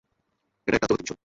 এটা একটা আত্মঘাতি মিশন!